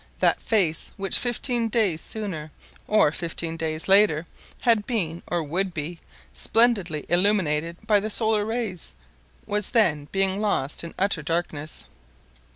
That face which fifteen days sooner, or fifteen days later, had been, or would be, splendidly illuminated by the solar rays, was then being lost in utter darkness.